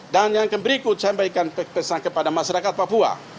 dan yang berikut saya sampaikan kepada masyarakat papua